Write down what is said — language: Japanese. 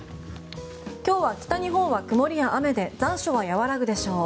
今日は北日本は曇りや雨で残暑は和らぐでしょう。